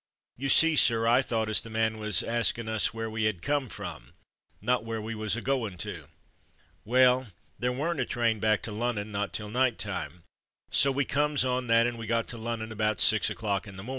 You see, sir, I thought as the man was askin' us where we 'ad come from, not where we was a goin' to. Well, there weren't a train back to Lunnon not till night time, so we comes on that, and we got to Lunnon about six o'clock in the mornin'.